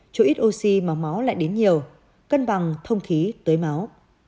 chỗ ít oxy mà máu lại đến nhiều cân bằng thông khí tới máu